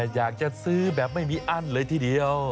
อยากจะซื้อแบบไม่มีอั้นเลยทีเดียว